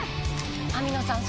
網野さん